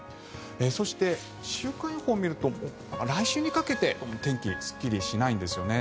そして週間予報を見ると来週にかけて天気すっきりしないんですよね。